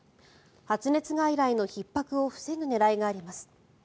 発熱外来のひっ迫を防ぐ狙いがあります。